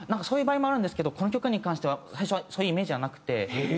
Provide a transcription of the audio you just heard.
そういう場合もあるんですけどこの曲に関しては最初はそういうイメージはなくて。